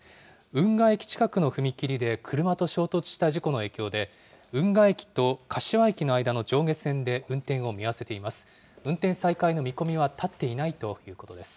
運河駅近くの踏切で車と衝突した事故の影響で、運河駅と柏駅の間の上下線で運転を見合わせています。